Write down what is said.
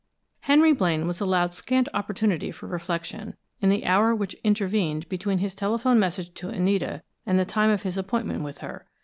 Henry Blaine was allowed scant opportunity for reflection, in the hour which intervened between his telephone message to Anita and the time of his appointment with her.